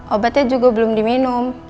obatnya juga belum diminum